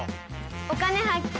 「お金発見」。